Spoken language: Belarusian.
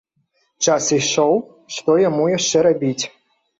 Час ішоў, што яму яшчэ рабіць.